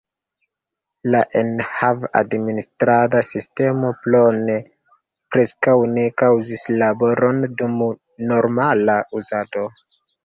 La enhav-administrada sistemo Plone preskaŭ ne kaŭzis laboron dum normala uzado.